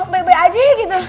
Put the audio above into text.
baik baik aja gitu